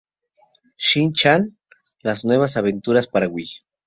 Shin Chan: Las nuevas aventuras para Wii